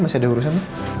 masih ada urusan mak